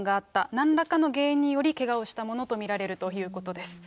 なんらかの原因により、けがをしたものと見られるということです。